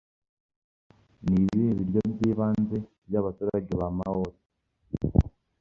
Ni ibihe biryo by'ibanze by'abaturage ba Maori